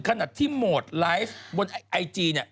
ขนาดที่โหมดไลฟ์บนไอจีเนี่ย